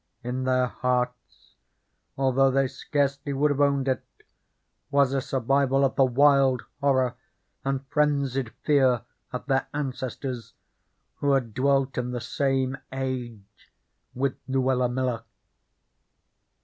In their hearts, although they scarcely would have owned it, was a survival of the wild horror and frenzied fear of their ancestors who had dwelt in the same age with Luella Miller.